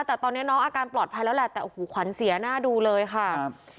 แต่ตอนนี้น้องอาการปลอดภัยแล้วแหละแต่โอ้โหขวัญเสียหน้าดูเลยค่ะครับ